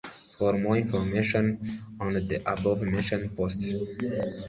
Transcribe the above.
For more information on the above mentioned posts